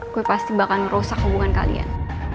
gue pasti bakal merusak hubungan kalian